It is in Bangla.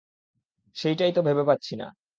সেইটাই তো ভেবে পাচ্ছি না।